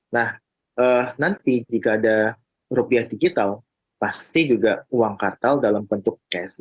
nah nanti jika ada rupiah digital pasti juga uang kartal dalam bentuk cash